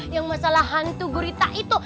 yang masalah hantu gurita itu